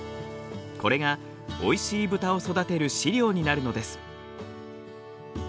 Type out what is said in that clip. これがおいしい豚を育てる飼料になるのです。